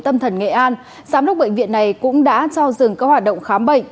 tâm thần nghệ an giám đốc bệnh viện này cũng đã cho dừng các hoạt động khám bệnh